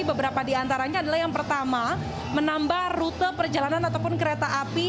beberapa di antaranya adalah yang pertama menambah rute perjalanan ataupun kereta api